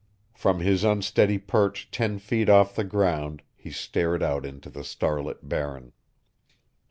From his unsteady perch ten feet off the ground he stared out into the starlit Barren.